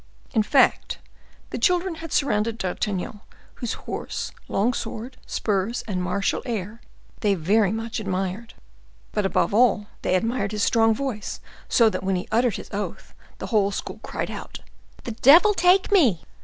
In fact, the children had surrounded D'Artagnan, whose horse, long sword, spurs, and martial air they very much admired. But above all, they admired his strong voice; so that, when he uttered his oath, the whole school cried out, "The devil take me!"